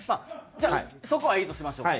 じゃあそこはいいとしましょう。